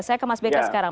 saya ke mas beka sekarang